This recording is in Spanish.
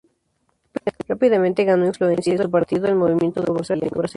Rápidamente ganó influencia en su partido, el Movimiento Democrático Brasileño.